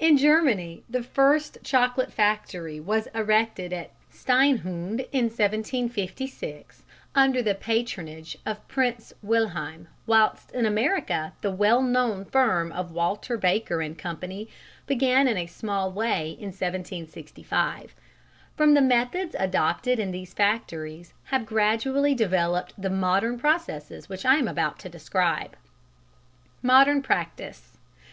In Germany the first chocolate factory was erected at Steinhunde in 1756, under the patronage of Prince Wilhelm, whilst in America the well known firm of Walter Baker and Co. began in a small way in 1765. From the methods adopted in these factories have gradually developed the modern processes which I am about to describe. MODERN PRACTICE.